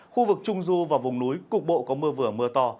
khu vực trung du và vùng núi cục bộ có mưa vừa mưa to